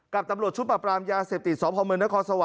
กับตำรวจชุดปรับปรามยาเสพติดสพมนครสวรร